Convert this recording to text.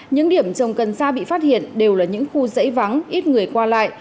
những điểm trồng cần sa bị phát hiện đều là những khu dãy vắng ít người qua lại